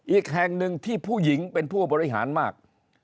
อีกแห่งหนึ่งที่ผู้หญิงเป็นผู้บริหารมาก